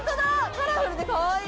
カラフルでかわいい。